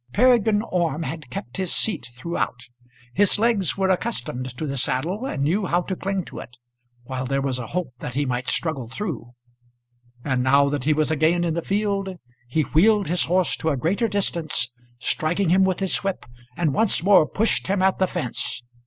Peregrine Orme had kept his seat throughout. His legs were accustomed to the saddle and knew how to cling to it, while there was a hope that he might struggle through. And now that he was again in the field he wheeled his horse to a greater distance, striking him with his whip, and once more pushed him at the fence.